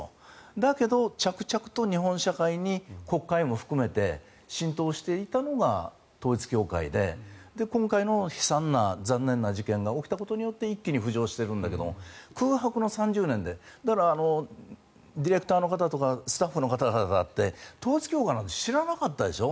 だけど、着々と日本社会に国会も含めて浸透していたのが統一教会で今回の悲惨な残念な事件が起きたことによって一気に浮上しているんだけれども空白の３０年でだから、ディレクターの方とかスタッフの方々って統一教会なんて知らなかったでしょ？